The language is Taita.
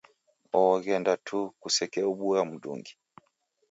Oho ghenda tuu. Kusekeobua m'ndungi.